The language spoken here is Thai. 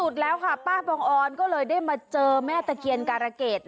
เธอบางออนก็เลยได้มาเจอแม่ตะเขียนกาละเกด